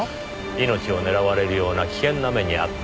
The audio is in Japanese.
命を狙われるような危険な目に遭った。